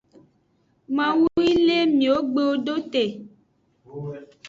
Mawu yi le miwogbewo do te.